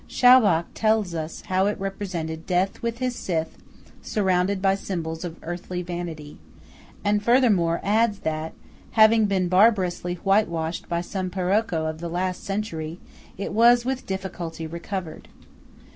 Schaubach tells how it represented "Death with his scythe, surrounded by symbols of earthly vanity"; and furthermore adds that, having been barbarously whitewashed by some Paroco of the last century, it was with difficulty recovered.